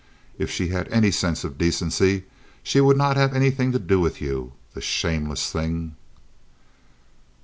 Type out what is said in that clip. If she had any sense of decency she would not have anything to do with you—the shameless thing."